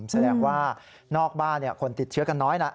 แสดงว่านอกบ้านคนติดเชื้อกันน้อยละ